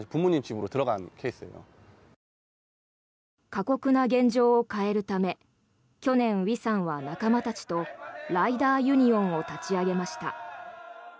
過酷な現状を変えるため去年、ウィさんは仲間たちとライダーユニオンを立ち上げました。